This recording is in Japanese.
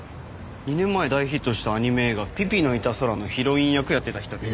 ２年前大ヒットしたアニメ映画『ピピの見た空』のヒロイン役やってた人です。